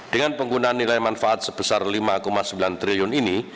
dengan penggunaan nilai manfaat sebesar rp lima sembilan triliun ini